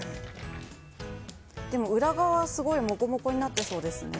でも裏側、すごいもこもこになってそうですね。